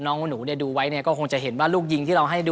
น้องหนูก็คงเห็นว่าลูกยิง